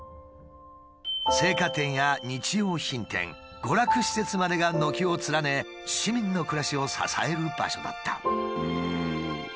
青果店や日用品店娯楽施設までが軒を連ね市民の暮らしを支える場所だった。